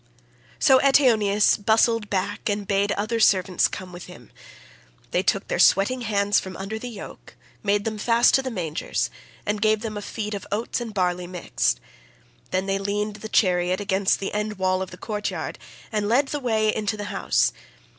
So Eteoneus bustled back and bade the other servants come with him. They took their sweating steeds from under the yoke, made them fast to the mangers, and gave them a feed of oats and barley mixed. Then they leaned the chariot against the end wall of the courtyard, and led the way into the house.